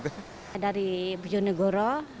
saya dari bujonegoro